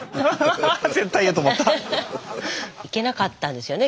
行けなかったんですよね